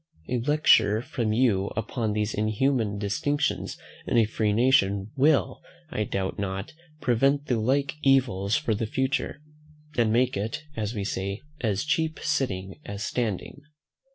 A lecture from you upon these inhuman distinctions in a free nation will, I doubt not, prevent the like evils for the future, and make it, as we say, as cheap sitting as standing.